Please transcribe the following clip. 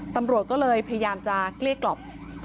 ตำรวจก็เลยพยายามจะเกลี้ยกล่อม